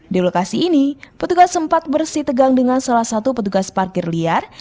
di lokasi ini petugas sempat bersih tegang dengan salah satu petugas parkir liar